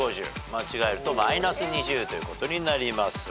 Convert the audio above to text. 間違えるとマイナス２０ということになります。